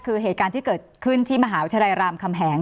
คือเหตุการณ์ที่เกิดขึ้นที่มหาวิทยาลัยรามคำแหง